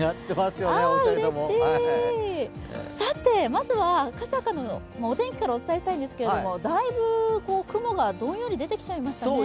まずは、赤坂のお天気からお伝えしたいんですけれども、だいぶ雲がどんより出てきちゃいましたね。